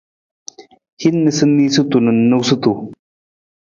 Hin niisaniisatu na noosutu.